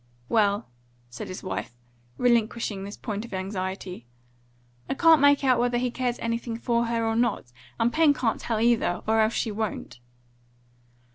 "Well," said his wife, relinquishing this point of anxiety, "I can't make out whether he cares anything for her or not. And Pen can't tell either; or else she won't."